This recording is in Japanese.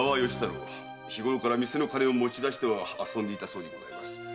日ごろから店の金を持ち出しては遊んでいたそうです。